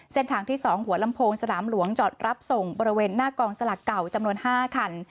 เส้นทางที่๒หัวลำโพงสนามหลวงจอดรับส่งบริเวณหน้ากองสลักเก่าจำนวน๕คัน